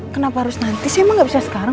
kenapa harus nanti saya emang gak bisa sekarang